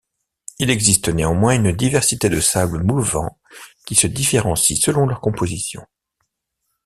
Il existe néanmoins une diversité de sables mouvants qui se différencient selon leur composition.